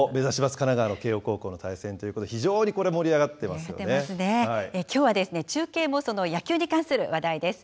神奈川の慶応高校の対戦ということで、非常にこれ、盛り上がってきょうは中継もその野球に関する話題です。